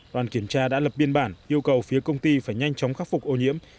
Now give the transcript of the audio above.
đoàn kiểm tra đã lập biên bản yêu cầu phía công ty phải nhanh chóng khắc phục ô nhiễm